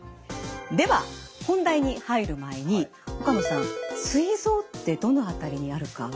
では本題に入る前に岡野さんすい臓ってどの辺りにあるか分かりますか？